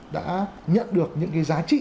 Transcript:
đã nhận được những cái giá trị